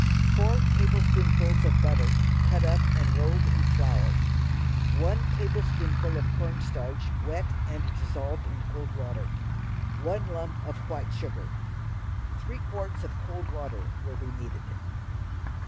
Four tablespoonfuls of butter, cut up and rolled in flour. One tablespoonful of cornstarch wet and dissolved in cold water. One lump of white sugar. Three quarts of cold water will be needed.